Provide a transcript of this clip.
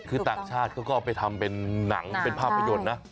คือต่างชาติเขาก็ไปทำเป็นหนังเป็นภาพยนตร์นะ